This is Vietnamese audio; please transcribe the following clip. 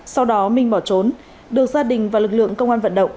sau đó minh bỏ trốn được gia đình và lực lượng công an vận động